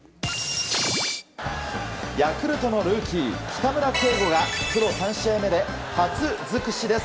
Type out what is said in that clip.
ヤクルトのルーキー北村恵吾がプロ３試合目で初尽くしです。